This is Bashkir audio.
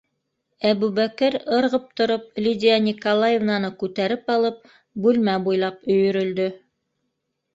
- Әбүбәкер ырғып тороп, Лидия Николаевнаны күтәреп алып, бүлмә буйлап өйөрөлдө.